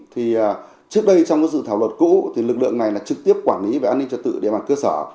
thì trước đây trong cái dự thảo luật cũ thì lực lượng này là trực tiếp quản lý về an ninh trật tự địa bàn cơ sở